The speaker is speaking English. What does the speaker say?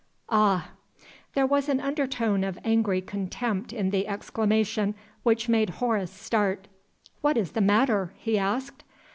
"Ah!" There was an undertone of angry contempt in the exclamation which made Horace start. "What is the matter?" he asked.